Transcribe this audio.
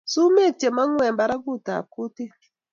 Sumeek chemangu eng barakutab kutit